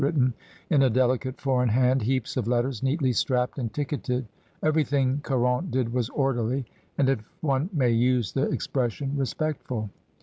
written in a delicate foreign hand, heaps of letters neatly strapped and ticketed. Everything Caxon did was orderly, and, if one may use the expression, respectful.